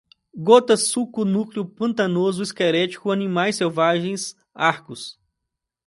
gota, suco, núcleo, pantanoso, esquelético, animais selvagens, arcos